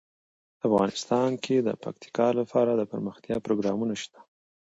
افغانستان کې د پکتیکا لپاره دپرمختیا پروګرامونه شته.